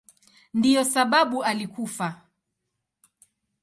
Ndiyo sababu alikufa.